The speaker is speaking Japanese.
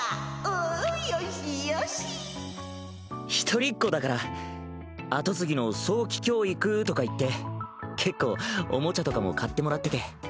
おおよしよし一人っ子だから跡継ぎの早期教育とか言って結構おもちゃとかも買ってもらってて。